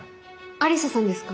愛理沙さんですか？